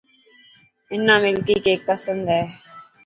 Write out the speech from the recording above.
حنا ملڪي ڪيڪ پسند هي.